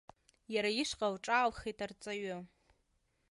Иара ишҟа лҿаалхеит арҵаҩы.